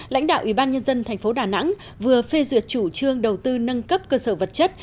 lãnh đạo ủy ban nhân dân thành phố đà nẵng vừa phê duyệt chủ trương đầu tư nâng cấp cơ sở vật chất